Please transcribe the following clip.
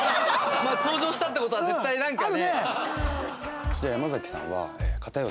登場したって事は絶対なんかね。